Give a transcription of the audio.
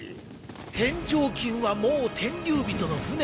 天上金はもう天竜人の船の中だ。